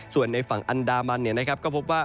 ส่วนในฝั่งแอร์อันดามันพูดว่า